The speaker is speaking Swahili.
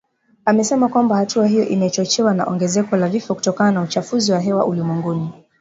Amesema kwamba hatua hiyo imechochewa na ongezeko la vifo kutokana na uchafuzi wa hewa ulimwenguni.